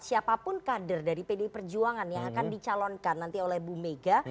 siapapun kader dari pdi perjuangan yang akan dicalonkan nanti oleh bu mega